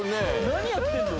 「何やってんの？」